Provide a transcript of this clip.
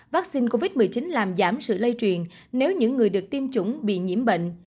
vaccine covid một mươi chín làm giảm sự lây truyền nếu những người được tiêm chủng bị nhiễm bệnh